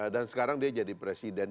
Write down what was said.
dan sekarang dia jadi presiden